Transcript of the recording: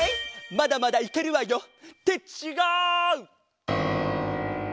まだまだいけるわよ！ってちがう！